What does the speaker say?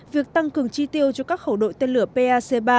việc tăng cường chi tiêu cho các khẩu đội tên lửa pac ba